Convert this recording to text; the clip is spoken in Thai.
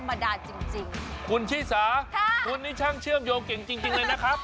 พิษาคุณนี่ช่างเชื่อมโยงเก่งจริงเลยนะครับครับ